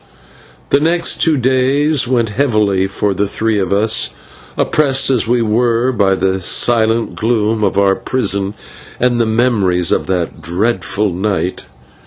The next two days went heavily for the three of us, oppressed as we were by the silent gloom of our prison and the memories of that dreadful night.